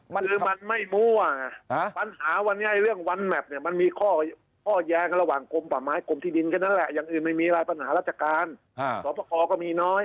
มันไม่มั่วปัญหาวันนี้เรื่องวันแมพเนี่ยมันมีข้อแย้งระหว่างกลมป่าไม้กรมที่ดินแค่นั้นแหละอย่างอื่นไม่มีอะไรปัญหาราชการสอบประคอก็มีน้อย